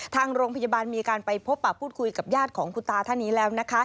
ทางโรงพยาบาลมีการไปพบปากพูดคุยกับญาติของคุณตาท่านนี้แล้วนะคะ